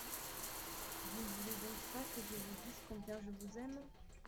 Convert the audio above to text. Vous ne voulez donc pas que je vous dise combien je vous aime ?